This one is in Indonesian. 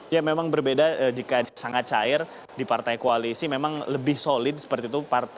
ya memang berbeda jika sangat cair di partai koalisi memang lebih solid seperti itu